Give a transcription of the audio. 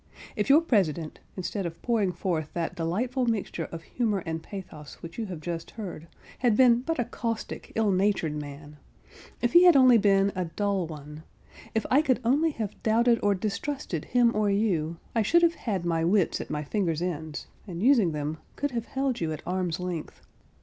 If your President, instead of pouring forth that delightful mixture of humour and pathos which you have just heard, had been but a caustic, ill natured man—if he had only been a dull one—if I could only have doubted or distrusted him or you, I should have had my wits at my fingers' ends, and, using them, could have held you at arm's length.